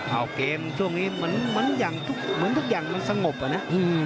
เอาเกมช่วงนี้เหมือนทุกอย่างมันสงบอะนะ